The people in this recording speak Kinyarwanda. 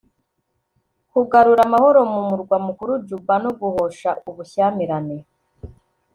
kugarura amahoro mu murwa mukuru Juba no guhosha ubushyamirane